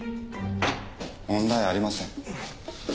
問題ありません。